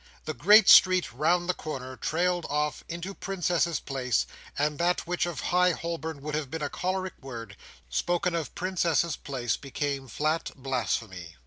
The great street round the corner trailed off into Princess's Place; and that which of High Holborn would have become a choleric word, spoken of Princess's Place became flat blasphemy.